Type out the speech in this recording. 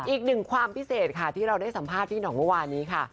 อีกหนึ่งความพิเศษค่ะที่เราได้สัมภาษณ์พี่ห่องเมื่อวานนี้ค่ะ